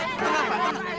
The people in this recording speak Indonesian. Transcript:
tenang pak tenang